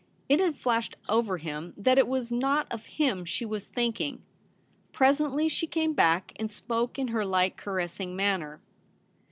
It had flashed over him that it was not of him she was thinking. Presently she came back, and spoke in her light caressing manner.